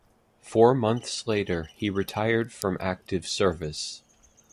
Four months later he retired from active service.